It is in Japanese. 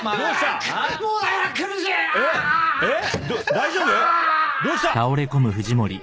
大丈夫？